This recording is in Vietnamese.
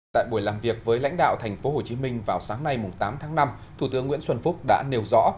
tại buổi làm việc với lãnh đạo tp hcm vào sáng nay tám tháng năm thủ tướng nguyễn xuân phúc đã nêu rõ